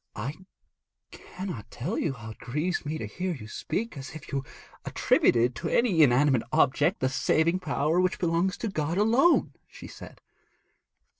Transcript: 'I cannot tell you how it grieves me to hear you speak as if you attributed to any inanimate object the saving power which belongs to God alone,' she said.